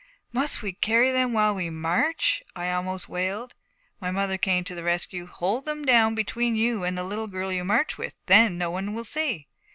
'Must we carry them while we march?' I almost wailed. My mother came to the rescue. 'Hold them down between you and the little girl you march with. Then no one will see.'